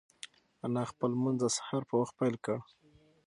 انا خپل لمونځ د سهار په وخت پیل کړ.